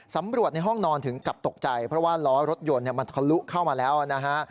ในห้องนอนถึงกับตกใจเพราะว่าล้อรถยนต์มันทะลุเข้ามาแล้วนะฮะ